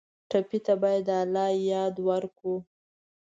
ټپي ته باید د الله یاد ورکړو.